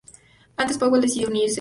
Antes Powell decidió unirse.